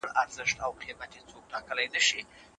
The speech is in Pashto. د لویې جرګي غړي خپلو کورونو ته څه پیغام وړي؟